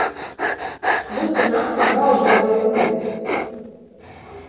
Vysu nakti gauduoja viejs.